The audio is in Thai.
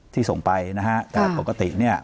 ที่ส่งไปแต่ปกติ